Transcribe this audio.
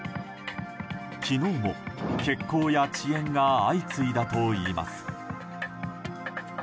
昨日も欠航や遅延が相次いだといいます。